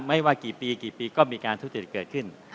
ไม่ว่ากี่ปีกี่ปีก็มีการทุจริตเกิดขึ้น